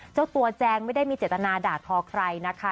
เจ้าตัวแจงไม่ได้มีเจตนาด่าทอใครนะคะ